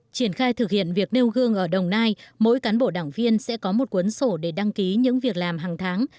triển khai thực hiện việc nêu gương ở đồng nai mỗi cán bộ đảng viên sẽ có một cuốn sổ để đăng ký những việc làm hàng tháng